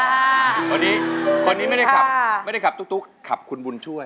อันนี้คนนี้ไม่ได้ขับตุ๊กขับคุณบุญช่วย